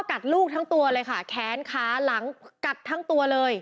กัดลูกทั้งตัวเลยค่ะแขนขาหลังกัดทั้งตัวเลย